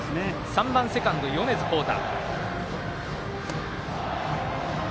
３番、セカンド、米津煌太。